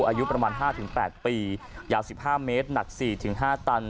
อายุประมาณ๕๘ปียาว๑๕เมตรหนัก๔๕ตัน